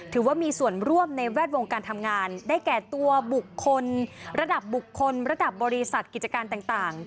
ถือว่ามีส่วนร่วมในแวดวงการทำงานได้แก่ตัวบุคคลระดับบุคคลระดับบริษัทกิจการต่าง